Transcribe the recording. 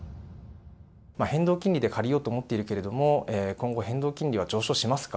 変動金利で借りようと思っているけれども、今後、変動金利は上昇しますか？